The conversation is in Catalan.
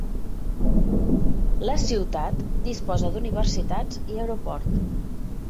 La ciutat disposa d'universitats i aeroport.